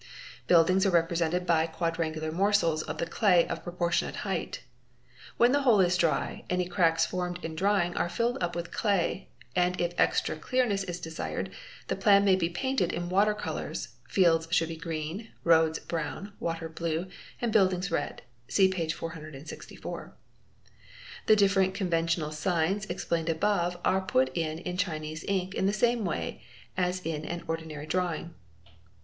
Buildings are represented by quadrangular morsels of the clay of a ig RPGS LIN M1] EET, SAAR STALE AS ion 472 DRAWING AND ALLIED ARTS proportionate height. When the whole is dry, any cracks formed in drying are filled up with clay, and if extra clearness is desired the plan may be painted in water colours, fields should be green, roads brown, water blue, and buildings red, see p. 464. The different conventional signs explained above are put in in Chinese ink in the same way as in an ordinary drawing.